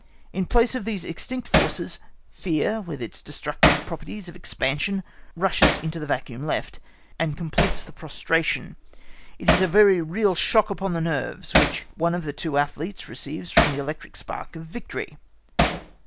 In place of these extinct forces, fear, with its destructive properties of expansion, rushes into the vacuum left, and completes the prostration. It is a real shock upon the nerves, which one of the two athletes receives from the electric spark of victory.